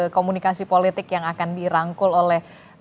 komunikasi politik yang akan dirangkul oleh